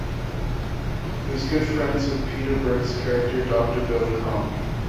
He was good friends with Peter Berg's character, Doctor Billy Kronk.